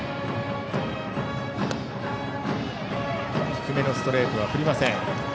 低めのストレートは振りません。